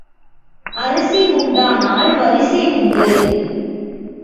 அரிசி உண்டானால் வரிசை உண்டு.